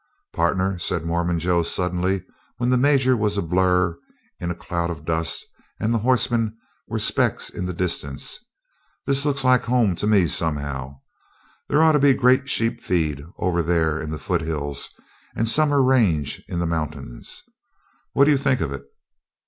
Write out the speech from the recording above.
"Pardner," said Mormon Joe suddenly, when the Major was a blur in a cloud of dust and the horsemen were specks in the distance, "this looks like home to me somehow. There ought to be great sheep feed over there in the foothills and summer range in the mountains. What do you think of it?"